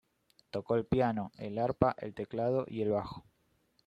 Tocó el piano, el arpa, el teclado y el bajo.